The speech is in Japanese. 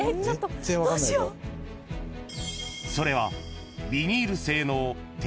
［それは］